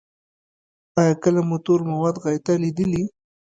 ایا کله مو تور مواد غایطه لیدلي؟